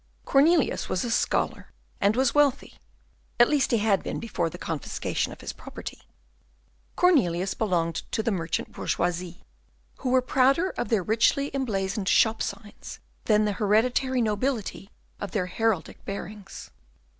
Cornelius was a scholar, and was wealthy, at least he had been before the confiscation of his property; Cornelius belonged to the merchant bourgeoisie, who were prouder of their richly emblazoned shop signs than the hereditary nobility of their heraldic bearings.